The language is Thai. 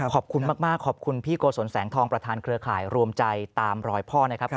ขอบคุณมากขอบคุณพี่โกศลแสงทองประธานเครือข่ายรวมใจตามรอยพ่อนะครับ